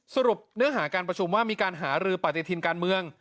สรุปเนื้อหาการประชุมว่ามีการหารือปฏิทินการเมือง